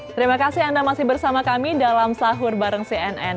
terima kasih anda masih bersama kami dalam sahur bareng cnn